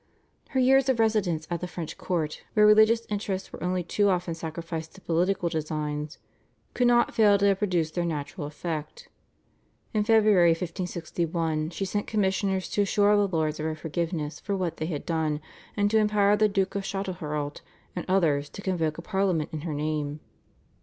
Her years of residence at the French court, where religious interests were only too often sacrificed to political designs, could not fail to have produced their natural effect. In February 1561 she sent commissioners to assure the lords of her forgiveness for what they had done, and to empower the Duke of Châtelherault and others to convoke a Parliament in her name.